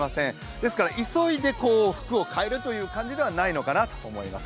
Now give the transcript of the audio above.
ですから急いで服を変えるという感じではないのかなと思います。